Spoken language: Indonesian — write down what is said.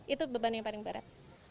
itu beban yang paling berat